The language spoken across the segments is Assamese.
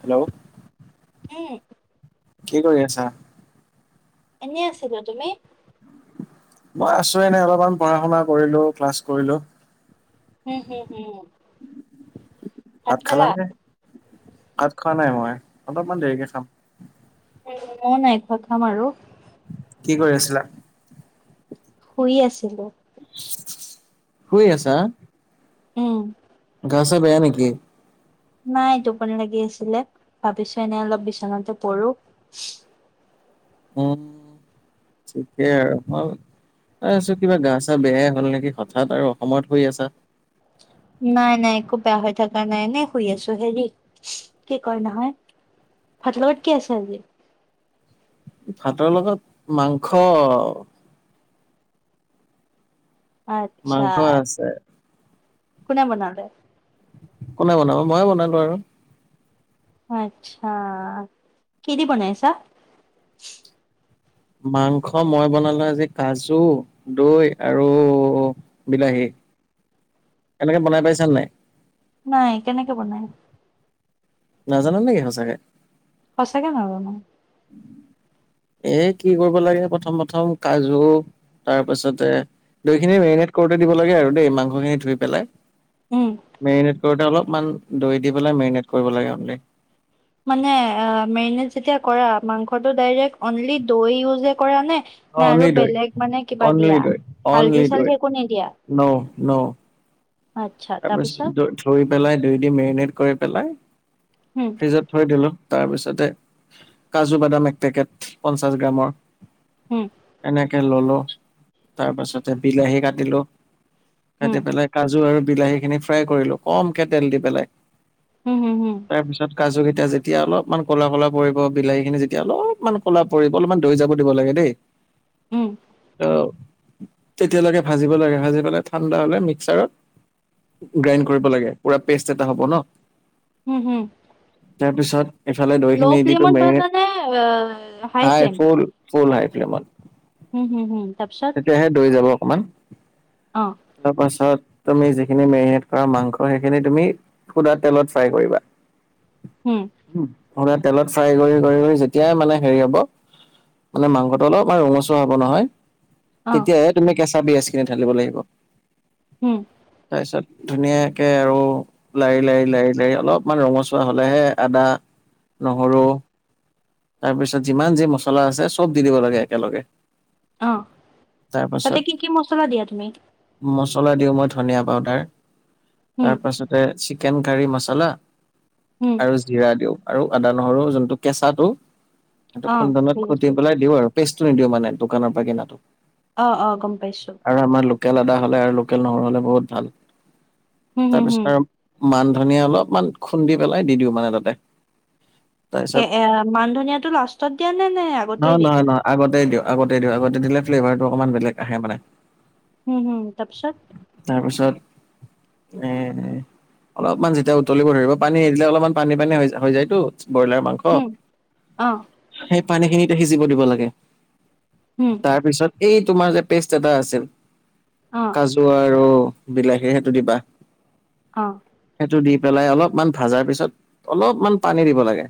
হেল্ল'। [unintelligible] কি কৰি আছা এনে আছিলো তুমি মই আছো এনে অলপমান পঢ়া শুনা কৰিলো ক্লাছ কৰিলো হম হম হম ভাত খালা নে ভাত খোৱা নাই মই অলপমান দেৰিকে খাম উম, ময়ো নাই খোৱা খাম আৰু কি কৰি আছিলা শুই আছিলো শুই আছা উম ঘছা বয়া নেকি নাই টোপনি লাগি আছিলে ভাবিছো এনেই অলপ বিচনাতে পৰো। উম ঠিকেই আৰু [unintelligible] ত আছো কিবা গা চা বেয়াই হল নেকি হঠাৎ আৰু অসমত শ আছা। নাই নাই একো বেয়া হৈ থকা নাই এনে শুই আছো হেৰি কি ক নহয় ফাটল কাট কি আছে আজি ভাতৰ লগত মাংস আচ্ছা মাংস আছে। কোনে বনালে কোনে বনাব মইয়ে বনালো আৰু আচ্ছা কি দি বনাাইছা মাংস মই বনালো আজি কাজু দৈ আৰু বিলাহী এনেকে বনাই পাইছা নাই নাই কেনেকে বনাই নাজানো নেকি সঁচাকে সঁচাকে নাজানো এ কি কৰিব লাগে প্ৰথম প্ৰথম কাজু তাৰ পাছতে দৈ খিনি মেগনেট কৰোতে দিব লাগে আৰু দেই মাংসখিনি ধুই পেলাই উম, মেৰিনেট কৰোতে অলপমান দৈ দি পেলাই মেৰিনেট কৰিব লাগে অমলি মানে মেগনেট যেতিয়া কৰা মাংসটো ডাইৰেলি দৈ ইউজে কৰা নে নে আৰু অনলি দৈ বেলেগ মানে কিবা দিয়া অনলি দৈ হালধি অনলি চালধি দৈ একো নিদিয়া? ন ন তাৰপিছত ধই পেলাই দুই দি মেৰিনেট কৰি পেলাই উম ফ্ৰিজত থৈ দিলো তাৰপিছত কাজু বাদাম এক পেকেট পঞ্চাশ গ্ৰামৰ উম এনেকে ললো তাৰপাছতে বিলাহী কাটিলো উম কাটি পেলাই কাজু আৰু বিলাহী খিনি ফ্ৰাই কৰিলো কমকে তেল দি পেলাই উম হুম হুম তাৰপিছত কাজু তেতিয়া যেতিয়া অলপমান ক'লা কলা পৰিব বিলাহী খিনি যেতিয়া অলপমান ক'লা পৰিব অলপমান দৈ যাব দিব লাগে দেই উম আহ তেতিয়ালৈকে ভাজিব লাগে ভাজি পেলাই ঠাণ্ডা হ'লে মিক্সাৰত গ্ৰাইণ্ড কৰিব লাগে পুৰা পেষ্ট এটা হ'ব ন হম হম তাৰ পিছত ইফালে দৈ খিনি দিো মেৰি ভাজা নে হাই ফুল ফুল হাই ফ্লেমত হুম হুম হুম তাৰপিছত তেতিয়াহে দৈ যাব অকমান অ তাৰপাছত তু যিখিন মেৰিনেট কৰা মাংস সেইখিন তুমি সুা তেলত ফ্ৰাই কৰিবা হম ম তেলত ফ্ৰাই কৰি কৰি কৰি যেতিয়াই মানে হেৰি হ'ব মানে মাংসটো অলপ আৰু ৰঙচুৱা হ'ব নহয় অ তেতিয়াহে তুমি কেঁচা পিয়াজ খিনি ঢালিব লাগিব হম তাৰ পিছত ধুনীয়াকে আৰু লাৰি লাৰি লাৰি লাৰি অলপমান ৰঙচুৱা হলেহে আদা নহৰু তাৰপিছত যিমান যি মছলা আছে চব দি দিব লাগে একেলগে অ তাৰ তাতে পাছত কি কি মছলা দিয়া তুমি? মচলা দিওঁ মই ধনিয়া পাউদাৰ, হুম তাৰপাছতে চিকেন কাৰী মচলা। হুম আৰু জিৰা দিওঁ আৰু আদা নহৰু যোনটো কেঁচাটো। এইটো অ খুন্দনত খুটি বুজিছো পেলাই দিও আৰু পেষ্টটো নিদিও মানে দোকানৰ পৰা কিনাটো। আহ অ' গম পাইছোঁ। আৰু আমাৰ লোকেল আদা হ'লে আৰু লোকেল নহৰু হ'লে বহুত ভাল। হুম হুম হুম তাৰপিছত আৰু, মান ধনিয়া অলপমান খুন্দি পেলাই দি দিওঁ মানে তাতে। তাৰপিছত সেই এ মান ধনিয়াতটো লাষ্টত দিয়া নে নাই আগতেই দি দিয়া? আগতে দিওঁ আগতে দিলে ফ্লেভাৰটো অকণমান বেলেগ আহে মানে। উম হুম তাৰপিছত উ অলপমান যেতিয়া উতলিব ধৰিব পানী এ দিলে অলপমান পানী পানী হৈ হৈ যায়তো ব্ৰইলাৰ মাংস উম, অ', সেই পানীখিনিতে সিজিব দিব লাগে উম, তাৰ পিছত এই তোমাৰ যে পেষ্ট এটা আছিল অ', কাজু আৰু বিলাহী সেইটো দিবা অ', সেইটো দি পেলাই অলপমান ভজাৰ পিছত অলপমান পানী দিব লাগে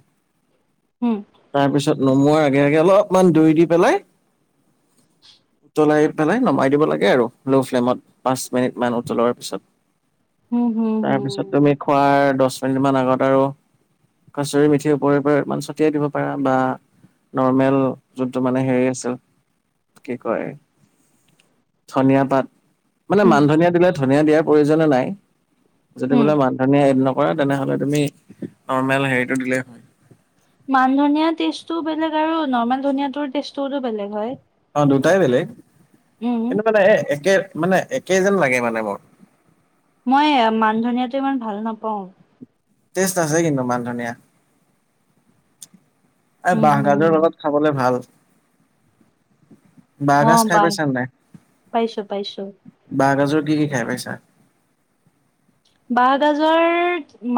উম, তাৰপিছত নমোৱাৰ আগে আগে অলপমান দৈ দি পেলাই উতলাই পেলাই নমাই দিব লাগে আৰু ল' ফ্লেমত পাঁচ মিনিট মান উতলোৱাৰ পিছত। হুম, হুম, হুম। তাৰপিছত তুমি খোৱাৰ দহ মিনিট মান আগত আৰু কছৰি মিথিৰ ওপৰেওৰেমান ছটিয়াই দিব পাৰা ব নৰ্মেল যোনটো মানে হেৰি আছিল, কি কয় ধনিয়া পাট। মানে উম, মান ধনিয়া দিলে ধনিয় দিয়াৰ প্ৰয়োজন নাই, যদি উম, বোলে মান ধনিয় এদিন কৰা তেনেহলে তুমি, নৰ্মেল হেৰিটো দিলেই হল। মান ধনিয়া টেষ্টটো বেলেগ আৰু নৰ্মেল ধনিয় ৰ টেষ্টো বেলেগ হয়। অ' দুটাই বেলেগ উম, কিন্তু মানে একে মানে একে যেন লাগে মানে মোৰ। মই মান ধনিয়াতটো ইমান ভাল নাপাওঁ। তেষ্ট্তছে কিন্তু মান ধনিয়া। এ উম, হুম, বাঁহগাজৰ হুম। লগত খাবলে ভাল। বাঁহগাজ অ', খাই বাহ পাইছ নে? পাইছোঁ, পাইছোঁ। বাঁহগাজত কি কি খাই পাইছা? বাঁহগাজৰ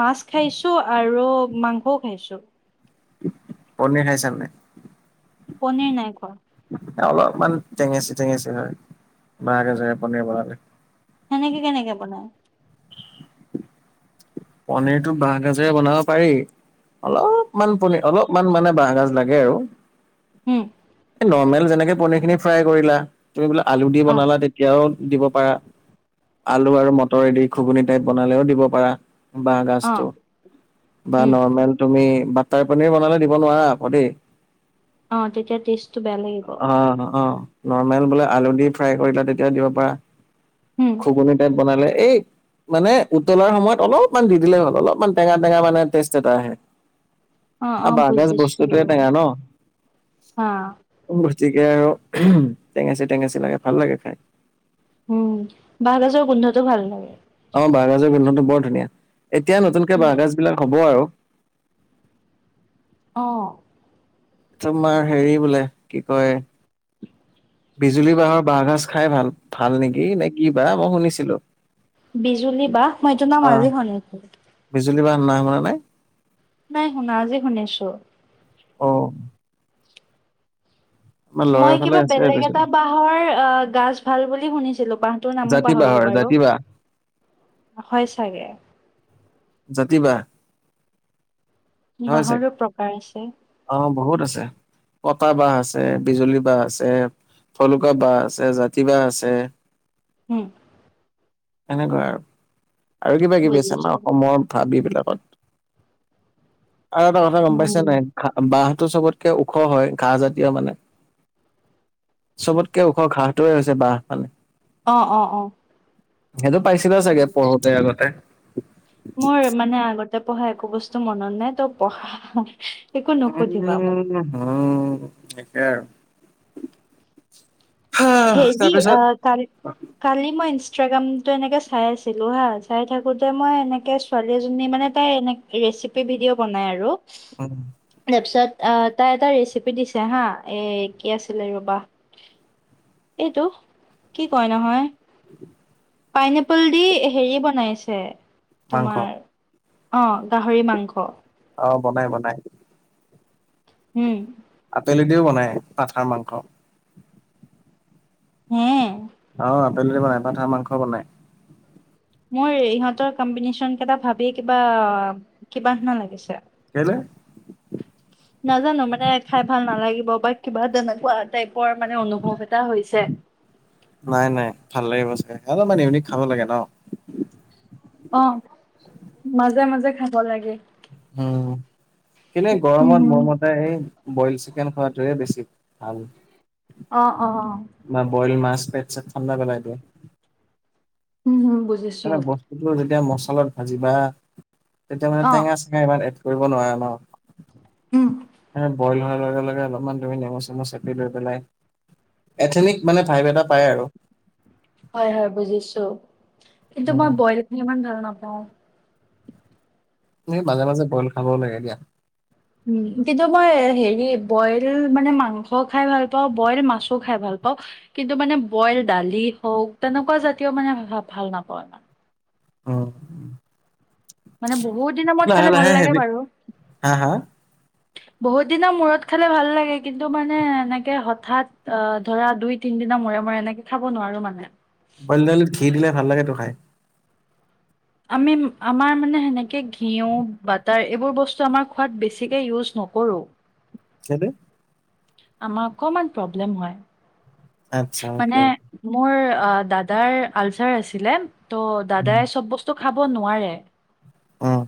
মাছ খাইছো আৰু মাংসও খাইছো। পনীৰ খাইছা নে? পনীৰ নাই খোৱা। অলপমান টেঙেচ টেঙেচ হয়, বাহ গাজৰে গে পনীৰ বনালে। কেনেকে কেনেকে বনাই? পনিৰতটো বাহ গাজৰে বনাব পাৰি। অলপমান পনীৰ অলপমান মানে বাঁাহগাজ লাগে আৰু। উম, নৰ্মেল যেনেকে পনীৰ খিনি ফ্ৰাই কৰিলা। তুমি বোলো আলু দি অ', বনালা তেতিয়াও দিব পাৰা। আলু আৰু মটৰ এদি ঘুগুননি টাইপ বনালেও দিব পাৰা। বাঁহ গাজটো, অ', বা উম, নৰ্মেল তুমি টাই পনীৰ বনালে দিব নোৱাৰা আকৌ দেই। অ' তেতিয়া টেষ্টটো বেয়া লাগিব। অ', অ', নৰ্মেল বোলে আলু দি ফ্ৰাই কৰিলো তেতিয়া দিব পাৰা, উম, ঘুগুনি টাইত বনালে এই মানে উতলাৰ সময়ত অলপ অলমান দি দিলেই ভাল অলপমান টেঙা টেঙা মানে টেষ্ট এটা আহে। অ', আ অ', বাঁগাজ বুজিছোঁ। বস্তুতেটেঙা ন, হা। আৰু টেঙাচি টেঙাচি লাগে ভাল লাগে খাই। উম, বাঁহগাজৰ গোন্ধটো ভাল লাগে। অ' বাহহগাজৰ গন্ধনত বৰ ধুনীয়া এতিয়া নতুনকে উম, বাহহগাজ বিলাক হ'ব আৰু। অ'। তোমাৰ হেৰি বোলে কি কয় বিজুলী বাঁহৰ বাঁহগাজ খাই ভাল ভাল নেকি নে কি বা মই শুনিছিলো। বিজুলী বাহ মইটো নাম আজি শন জুবলী না নামৰ নে? নাই শুনা আজি শুনিছো। অহ। মই ফালে কিবা আছে বেলেগ এটা বিজুলী। বাহৰ আহ গাজ ভাল বুলি শুনিছিলো বাহটোৰ নামো জাতি বাঁহৰ পাহৰিলো বাৰু। [inaudible] হয় চাগে। যাতি বা। হয় চাগ, বাঁহৰো প্ৰকাৰ আছে। অ ' বহুত আছে। কটা বাহ আছে বিজুলী বাহ আছে। থলুকা বাহ আছে জাতিতি বাহ আছে। হম। সনেকুৱা আৰু আৰু কিবা কিবি আছে আমাৰ বুজিছো। অসমৰ ভাব বিলাক আৰু এটা কথা গম পাইছে উম, নাই বাহ টো চবতকে ওখ হয় ঘাঁ জাতীয় মানে। চবতকে ওখ ঘাঁহটোৱে হৈছে বাহ মানে। অ' অ' অ'। সেইটো পাইছিলা চাগে পঢ়োতে আগতে। মইও মানে আগতে পঢ়া একো বস্তু মনত নাই। তই পঢ়া একো নুসুধিবা মোক। উম হৈ তাকে আৰু। হা, হেৰি তাৰপিছত অ' কাল-কালি মই ইষ্ট ইনষ্ট্ৰাগ্ৰামতো এনেকে চাই আছিলো হা চাই থাকোতে মই এনেকে ছোৱালী এজনী মানে তাই এনেক ৰেকো ভি পি ভিডিঅ বনাই আৰু উম তাৰ পিচত আহ তাই এটা ৰেচিপি দিছে হা এ কি আছিলে ৰবা। এইটো কি কয় নহয়। পাইনএপল দি হেৰি বনাইছে মাংস তোমাৰ অ' গাহৰি মাংস। অ' বনাই বনাই। হম। বেলি দিও বনাই আাঠাৰ মাংস। হম। আহ আপেল বনাই পঠা মাংস বনাই। মোৰ ইহঁতৰ কম্বিনেশচন কেইটা ভাবি কিবা কিবনিষ্ণা লাগিছে। কেলে নাজানো মানে খাই ভাল নালাগিব। বাকী বাদ নোৱা প মানে অনুভৱ এটা হৈছে হ মানে এ খাব লাগে ন। অ' মাজে মাজে খাব লাগে। উম কিনে উম গৰমত হুম। মৰমতে এই বইল চ চিকেন খোৱাটোৱে বেছি ভাল অ', অ', অ'। খডা পেলাই দিয়ে। উম হুম। বুজিছো মে বস্তুতটো যেতিয়া মচলাত ভাজিবা তেতিয়া মানে অ টেঙা চেঙা এবাৰ। নোৱাৰে উম ন বইল। লগে লগে অলপমান ধুমি নেমু চেমু চপি লৈ পেলাই। এথেনিক মানে ভাইভ এটা পায় আৰু। হয় হয় বুজিছো কিন্তু মই উম, বইলখ ইমান ধৰণ পাও। স মাজে মাজে বইল খাবও লাগে দিয়া। উম কিন্তু মই হেৰি বইল মানে মাংস খাই ভাল পাওঁ বইল মাছো খাই ভাল পাওঁ। ভাল পাওঁ, কিন্তু মানে বইল দালি হওক তেনেকুৱা জাতীয় মানে ভাল নাপাওঁ ইমান। অ'। মানে বহুত দিনৰ মূৰত খালে ভাল লাগে হেভি বাৰু। হা হা বহুত দিনৰ মূৰত খালে ভাল লাগে কিন্তু মানে এনেকে হঠাৎ আ ধৰা দুই তিন পদিনা মূৰে মৰে এনেকে খাব নোৱাৰো মানে। বইল দাইলিত ঘি দিলে ভাল লাগে তো খাই। আমি আমাৰ মানে সেনেকে ঘিউ বাটাৰ এইবোৰ বস্তু আমাৰ খোৱাত বেছিকে ইউজ ন। নকৰো। কেনে। আমাৰ অকমান প্ৰব্লেম হয় আচ্ছা অকে মানে অকে মোৰ দাদাৰ আলচাৰ আছিলে। ত' উম, দাদাই চব বস্তু খাব নোৱাৰে। অ'।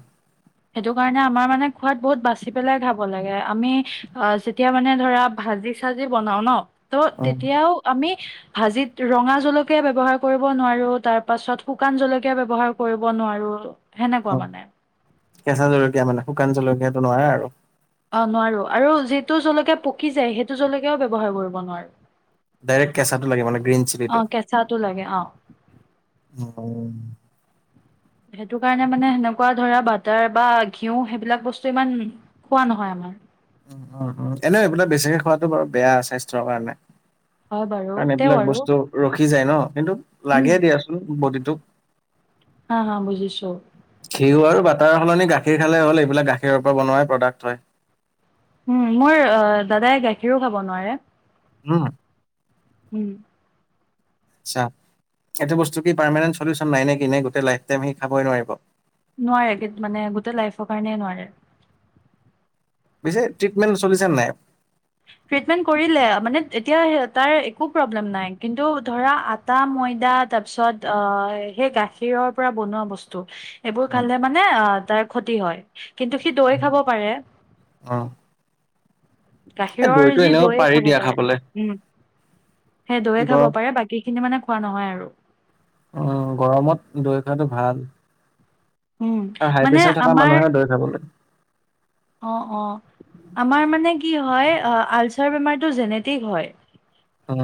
সেইটো কাৰণে আমাৰ মানে খোৱাত বহুত বাচি পেলাই খাব লাগে আমি অআ যেতিয়া মানে ধৰা ভাজি চাজি বনাও ন ত' উম, তেতিয়াও তুমি, ভাজিত ৰঙা জলকীয়া ব্যবহাৰ কৰিব নোৱাৰো তাৰপাছত খোকান জলকীয়া ব্যবহাৰ কৰিব নোৱাৰো সেনেকুৱা মানে। কেঁচা জলকীয়া মানে শুকান জলকীয়াটো নোৱাৰা আৰু। অ' নোৱাৰো আৰু যিটো জলকীয়া পকি যায় সেইটো জলকীয়াও ব্য্ৱহাৰ কৰিব নোৱাৰো। ডাইৰেক্ট কেঁচাটো লাগে মানে গ্ৰীণ চিলিটো, অ', কেঁচাটো লাগে অ', উ। সেইটো কাৰণে মানে সেনেকুৱা ধৰা বাটাৰ বা ঘিউ সেইবিলাক বস্তু ইমান খোৱা নহয় আমাৰ। উ উম উম এনেই এইবিলাক বেছিকে খোৱাতটো বাৰু বেয়া স্বাস্থ্যৰ কাৰণে। হয় বাৰু কাৰণ তেও এইবিলাক আৰু বস্তু ৰখি যায় ন কিন্তু উম লাগে দিয়াচোন বডিটোক। হা হা বুজিছো ঘিউ আৰু বাটৰ সলনি গাখীৰ গাখীৰ খালে হ'ল এইবিলাক গাখীৰৰ পৰা বনোৱাই প্ৰডাক্ট হয়। উম মোৰ দাদাই গাখীৰো খাব নোৱাৰে। হম। উম। আচ্ছা। এইটো বস্তু কি পাৰ্মমানেণ্ট চলিউচন নাই নে কি ননে গোটেই লাইফ টাইম সি খাবই নোৱাৰিব? নোৱাৰে মানে গোটেই লাইফৰ কাৰণেই নোৱাৰে। পিছে ট্ৰিটমেণ্ট চলিছে নাই? কৰি মানে এতিয়া তাৰ একো প্ৰব্লেম নাই কিু ধৰা ম া তাৰ পিছত আ সেই গাখীৰৰ পৰা বনোৱা বস্তু। এইবোৰ খালে মানে আ তাৰ ক্ষতি হয়। কিন্তু সি দৈ খাব পাৰে। অ এই গাখীৰৰ দৈটো যি এনেও দৈয়ে পাৰি খাব দিয়া পাৰে, খাবলে উম, সেই দৈয়ে খাব গৰম পাৰে বাকী স খিনি মানে খোৱা নহয় আৰু। উম গৰমত দৈ খোৱাটো ভাল। উম, আৰু হাই মানে প্ৰেছাৰ থকা আমাৰ মানুহে দৈ খাব লাগে। অ' অ'। আমাৰ মানে কি হয় আলচাৰ বেমাৰটো জেনেটিক হয়। উম।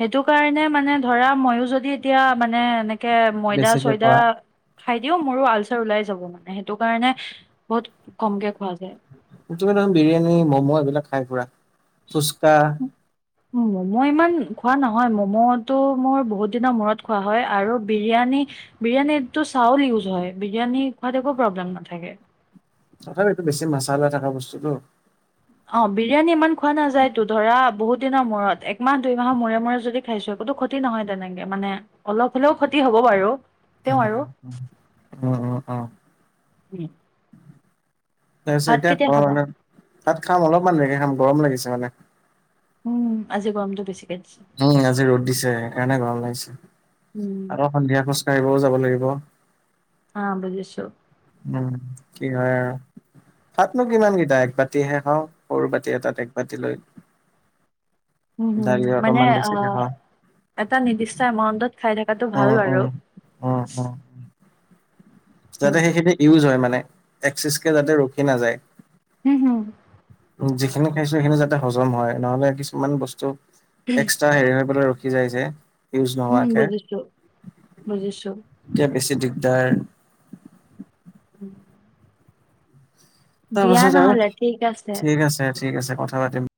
সেইটো কাৰণে মানে ধৰা মইও যদি এতিয়া মানে এনে ে ময়দা বেছিকে চয়দা খোৱা খাই দিও মোৰো আলচাৰ ওলাই যাব মানে সেইটো কাৰণে বহুত কমকে খোৱা যায় তুমি ধৰা বিৰিয়ানী ম'ম' এইবিলাক খাই পুৰা, ফুচকা ম'ম' ইমান খোৱা নহয় মম'টো মোৰ বহুত দিনৰ মূৰত খোৱা হয় আৰু বিৰিয়ানী বিৰিয়ানীতটো চাউল ইউজ হয় বিৰিয়ানী খোৱাত একো প্ৰব্লেম নাথাকে তথাপি এইটো বেছি মাছালা থকা বস্তুতটো অ বিৰিয়ানী ইমান খোৱা নাযায় তো ধৰা বহুত দিনৰ মূৰত একমাহ দুইমাহৰ মূৰে মূৰে যদি খাইছো একোতো ক্ষতি নহয় তেনেকে মানে অলপ হ'লেও ক্ষতি হব বাৰু উ তেও আৰু উম উ উ তাৰ পিছত ভাত এতিয়া কেতিয়া ঘৰত খাবা মানে ভাত খাম অলপমান দেৰিকে খাম গৰম লাগিছে মানে উম আজি গৰমতটো বেছিকে দিছে উম আজি ৰ'দ দিছে সেইকাৰনেই গৰম লাগিছে। উম, আৰু সন্ধিয়া খোজ কঢ়িবও যাব লাগিব। অ' বুজিছো। উম, কি হয় আৰু। ভাতনো কিমানকেইটা এক বাতিহে খাওঁ সৰু বাতি এটাত এক বাতি লৈ। উম হম দালি মানে অকমান আ বেছিকে খাওঁ এটা নিৰ্দিষ্ট এমাউন্টত খাই থকাটো ভাল উম, বাৰু। উম, উম, উম, যাতে উম, সেইখিনি ইউজ হয় মানে, এক্সিচকে যাতে ৰখি নাযায়। হম হম যিখিনি খাইছো সেইখিনি যাতে হজম হয় নহলে কিছুমান বস্তু এক্সট্ৰা হেৰি হৈ ৰখি ৰখি যাইযে ইউজ হুম, নোহোৱাকে বুজিছো, বুজিছো। তেতিয়া বেছি দি দৰ উম দিয়া তাৰপাছত আৰু নহ'লে ঠিক আছে। ঠিক আছে ঠিক আছে কথা পাতিম